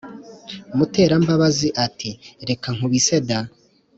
Muterambabazi ati"reka nkubise da"